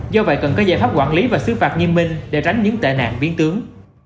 do vậy cần có giải pháp quản lý và xứ phạt nghiêm minh để tránh những tệ nạn biến tướng